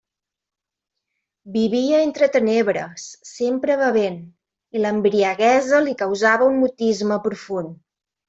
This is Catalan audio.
Vivia entre tenebres, sempre bevent, i l'embriaguesa li causava un mutisme profund.